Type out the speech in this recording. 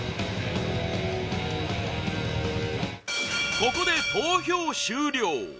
ここで投票終了！